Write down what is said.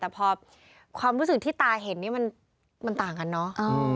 แต่พอความรู้สึกที่ตาเห็นนี่มันต่างกันเนอะ